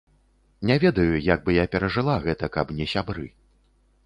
Не ведаю, як бы я перажыла гэта, каб не сябры.